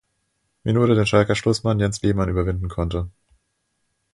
Minute den Schalker Schlussmann Jens Lehmann überwinden konnte.